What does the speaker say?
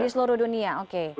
di seluruh dunia oke